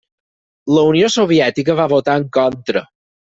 La Unió Soviètica va votar en contra.